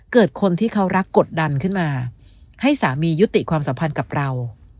คนที่เขารักกดดันขึ้นมาให้สามียุติความสัมพันธ์กับเรา